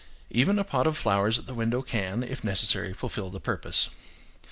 Even a pot of flowers at the window can, if necessary, fulfil the purpose.